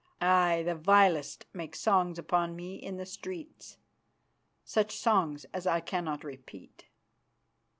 Aye, the vilest make songs upon me in the streets, such songs as I cannot repeat."